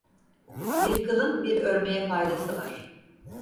Bir kılın bir örmeye faydası var.